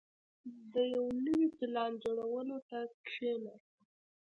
• د یو نوي پلان جوړولو ته کښېنه.